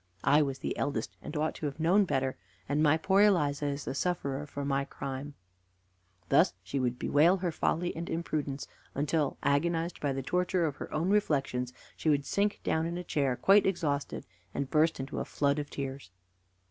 I was the eldest, and ought to have known better, and my poor Eliza is the sufferer for my crime!" Thus would she bewail her folly and imprudence, until, agonized by the torture of her own reflections, she would sink down in a chair quite exhausted, and burst into a flood of tears.